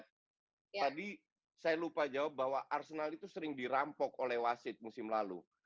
tadi saya lupa jawab bahwa arsenal itu sering dirampok oleh wasit musim lalu